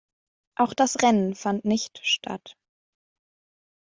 Auch das Rennen fand nicht statt.